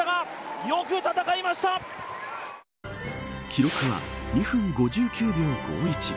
記録は２分５９秒５１。